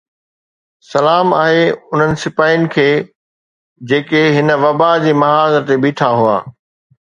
سلام آهي انهن سڀني سپاهين کي جيڪي هن وبا جي محاذ تي بيٺا هئا